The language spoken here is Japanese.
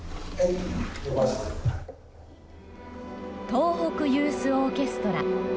東北ユースオーケストラ。